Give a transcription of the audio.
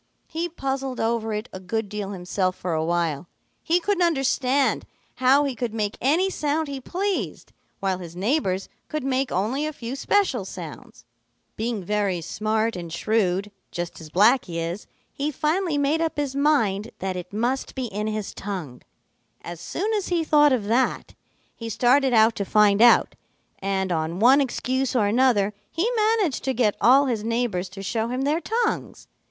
He puzzled over it a good deal himself for a while. He couldn't understand how he could make any sound he pleased, while his neighbors could make only a few special sounds. "Being very smart and shrewd, just as Blacky is, he finally made up his mind that it must be in his tongue. As soon as he thought of that, he started out to find out, and on one excuse or another he managed to get all his neighbors to show him their tongues.